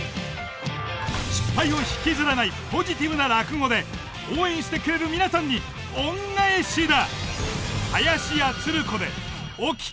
失敗を引きずらないポジティブな落語で応援してくれる皆さんに恩返しだ。